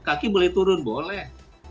kaki boleh turun boleh